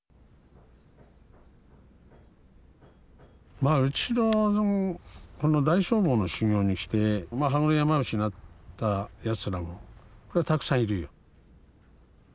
まあうちの大聖坊の修行に来て羽黒山伏になったやつらもこれはたくさんいるよ。